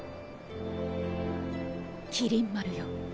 麒麟丸よ。